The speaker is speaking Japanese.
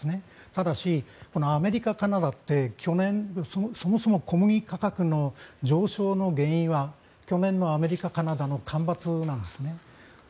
ただし、アメリカ、カナダってそもそも小麦価格の上昇の原因は去年のアメリカ、カナダの干ばつなんですね。